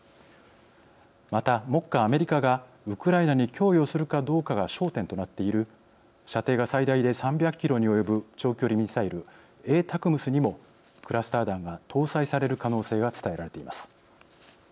また、目下アメリカがウクライナに供与するかどうかが焦点となっている射程が最大で３００キロにも及ぶ長距離ミサイルＡＴＡＣＭＳにもクラスター弾が搭載される可能性が伝えられています。